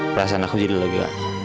perasaan aku jadi lega